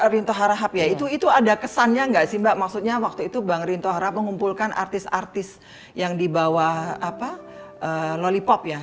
rinto harahap ya itu ada kesannya gak sih mbak maksudnya waktu itu bang rinto harahap mengumpulkan artis artis yang dibawah lollipop ya